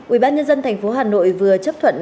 ubnd tp hà nội vừa chấp thuận